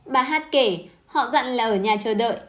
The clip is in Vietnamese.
bà hát kể họ dặn là ở nhà chờ đợi